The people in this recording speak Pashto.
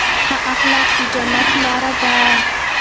ښه اخلاق د جنت لاره ده.